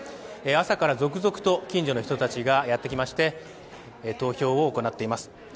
朝から続々と近所の人たちがやってきまして投票を行っています。